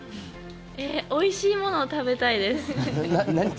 おいしいものを食べたいです。